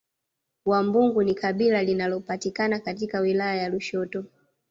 Wambugu ni kabila linalopatikana katika wilaya ya Lushoto